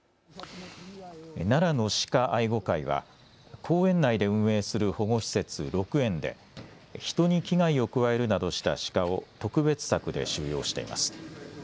奈良の鹿愛護会は公園内で運営する保護施設、鹿苑で人に危害を加えるなどしたシカを特別柵で収容しています。